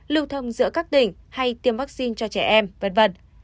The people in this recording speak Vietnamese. lưu thông giữa các tỉnh hay tiêm vaccine cho trẻ em v v